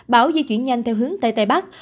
bão di chuyển nhanh theo hướng tây tây bắc